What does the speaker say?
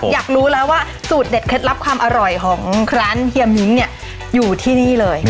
อยากรู้แล้วว่าสูตรเด็ดเคล็ดลับความอร่อยของร้านเฮียมิ้นเนี่ยอยู่ที่นี่เลย